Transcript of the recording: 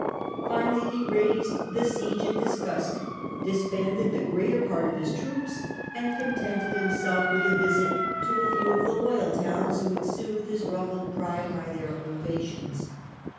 Finally he raised the siege in disgust, disbanded the greater part of his troops, and contented himself with a visit to a few THE SECOND EXCOMMUNICATION 161 of the loyal towns who would soothe his ruffled pride by their ovations.